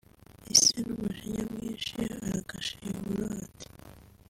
Ise n’umujinya mwinshi aragashihura ati